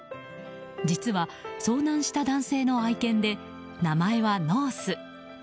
実は、遭難した男性の愛犬で名前はノース。